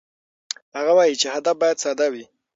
هغه وايي، هدف باید ساده وي.